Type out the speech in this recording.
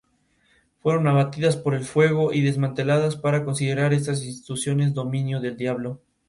Fueron abatidas por el fuego y desmanteladas por considerar estas instituciones, "dominio del diablo".